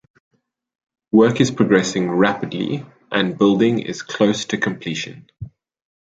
Work is progressing rapidly and building is close to completion.